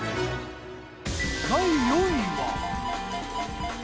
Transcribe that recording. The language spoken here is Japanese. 第４位は。